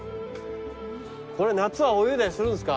これ夏は泳いだりするんですか？